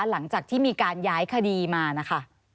หลังจากที่มีการย้ายคดีมานะคะ